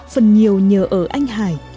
phần nhiều nhờ ở anh hải